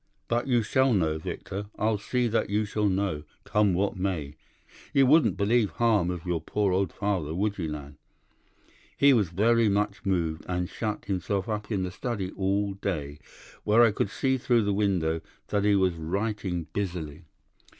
But you shall know, Victor. I'll see that you shall know, come what may. You wouldn't believe harm of your poor old father, would you, lad?" He was very much moved, and shut himself up in the study all day, where I could see through the window that he was writing busily.